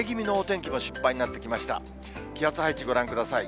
気圧配置、ご覧ください。